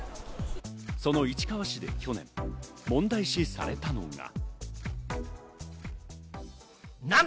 その市川市で去年、問題視されたのが。